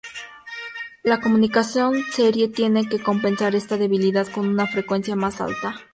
La comunicación serie tiene que compensar esta debilidad con una frecuencia más alta.